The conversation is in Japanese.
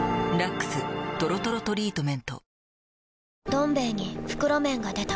「どん兵衛」に袋麺が出た